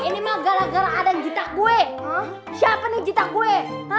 ini mah gara gara ada jitak gue siapa nih jitak gue